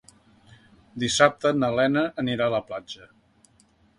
Dissabte na Lena anirà a la platja.